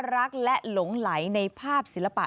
รักและหลงไหลในภาพศิลปะ